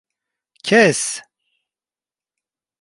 Kes!